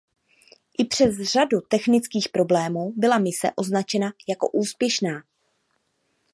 I přes řadu technických problémů byla mise označena jako úspěšná.